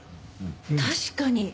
確かに。